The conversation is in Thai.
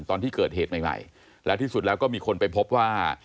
ตอนที่เกิดเหตุใหม่แล้วที่สุดแล้วก็มีคนไปพบว่า